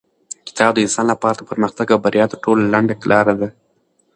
کتاب د انسان لپاره د پرمختګ او بریا تر ټولو لنډه لاره ده.